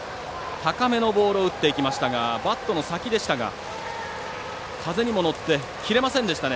高めのボールを打っていきましたがバットの先でしたが風にも乗って切れませんでした。